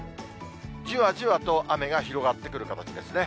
じわじわと雨が広がってくる形ですね。